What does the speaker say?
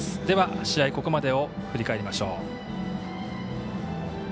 では、試合ここまでを振り返りましょう。